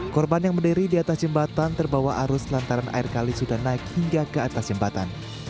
korban yang berdiri di atas jembatan terbawa arus lantaran air kali sudah naik hingga ke atas jembatan